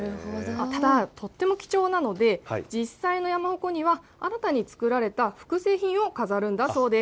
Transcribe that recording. ただ、とっても貴重なので、実際の山鉾には新たに作られた複製品を飾るんだそうです。